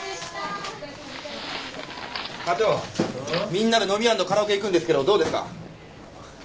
みんなで飲み＆カラオケ行くんですけどどうですか？